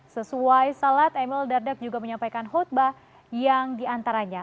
sesuai salat emil dardak juga menyampaikan khutbah yang diantaranya